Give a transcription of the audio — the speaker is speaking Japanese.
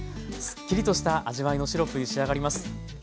すっきりとした味わいのシロップに仕上がります。